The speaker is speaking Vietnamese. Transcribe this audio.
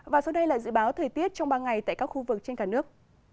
và sau đây là dự báo thời tiết trong ba ngày tại các khu vực trên cả nước